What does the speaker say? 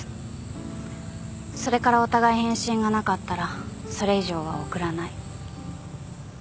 それからお互い返信がなかったらそれ以上は送らない。